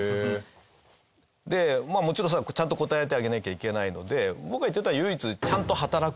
まあもちろんちゃんと答えてあげなきゃいけないので僕が言ってたのは唯一。